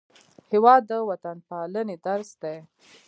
هېواد د وطنپالنې درس دی.